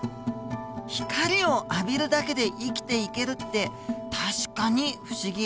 光を浴びるだけで生きていけるって確かに不思議。